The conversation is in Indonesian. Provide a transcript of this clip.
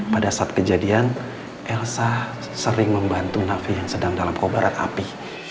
pada saat kejadian elsa sering membantu nafi yang sedang dalam kobaran api